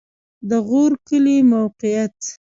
د غور کلی موقعیت